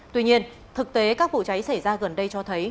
tuy nhiên thực tế các vụ cháy xảy ra gần đây cho thấy